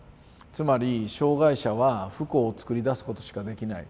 つまり「障害者は不幸を作り出すことしかできない。